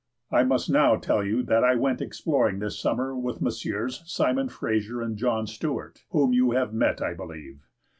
"I must now tell you that I went exploring this summer with Messrs. Simon Fraser and John Stuart, whom you have met, I believe.